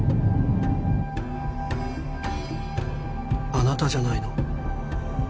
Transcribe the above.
あなたじゃないの？